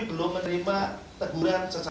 belum menerima teguran